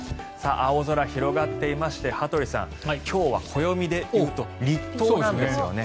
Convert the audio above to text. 青空、広がっていまして羽鳥さん今日は暦でいうと立冬なんですよね。